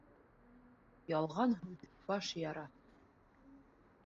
Ялған һүҙ баш яра.